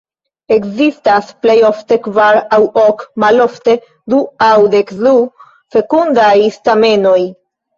Ekzistas plej ofte kvar aŭ ok, malofte du aŭ dekdu fekundaj stamenoj.